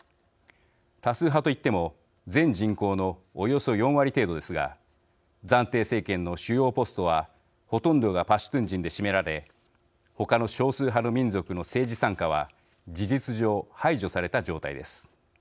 多数派といっても全人口のおよそ４割程度ですが暫定政権の主要ポストはほとんどがパシュトゥン人で占められ、他の少数派の民族の政治参加は事実上排除された状態です。